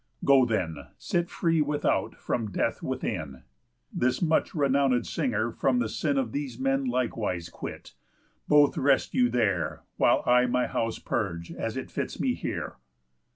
_ Go then, sit free without from death within. This much renownéd singer from the sin Of these men likewise quit. Both rest you there, While I my house purge as it fits me here."